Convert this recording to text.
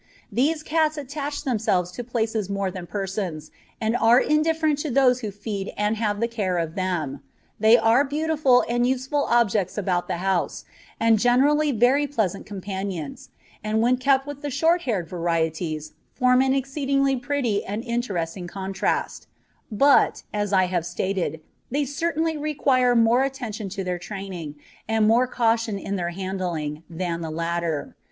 These cats attach themselves to places more than persons, and are indifferent to those who feed and have the care of them. They are beautiful and useful objects about the house, and generally very pleasant companions, and when kept with the short haired varieties form an exceedingly pretty and interesting contrast; but, as I have stated, they certainly require more attention to their training, and more caution in their handling, than the latter.